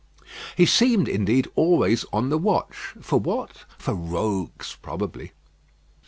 He seemed, indeed, always on the watch for what? For rogues probably.